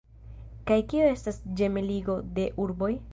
Kaj kio estas ĝemeligo de urboj?